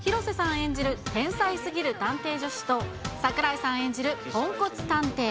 演じる天才すぎる探偵助手と、櫻井さん演じるポンコツ探偵、